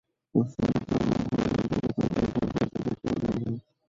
প্রস্তুতি নিতে অনেক ভোরে ঘুম থেকে তুলে দিতেন পরিচালক গৌতম ঘোষ।